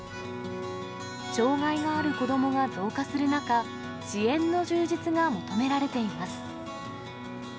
障害がある子どもが増加する中、支援の充実が求められています。